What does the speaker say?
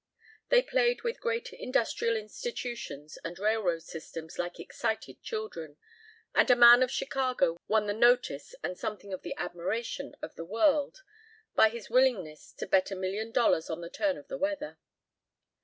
They played with great industrial institutions and railroad systems like excited children, and a man of Chicago won the notice and something of the admiration of the world by his willingness to bet a million dollars on the turn of the weather.